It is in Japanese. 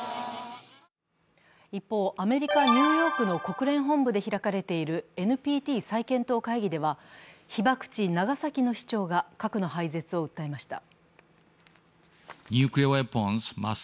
一方、アメリカ・ニューヨークの国連本部で開かれているＮＰＴ再検討会議では被爆地・長崎の市長が核の廃絶を訴えました。